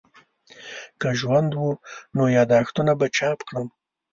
که ژوند وو نو یادښتونه به چاپ کړم.